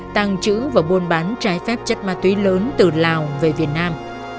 tàng trữ và buôn bán trái phép chất ma túy lớn từ lào về việt nam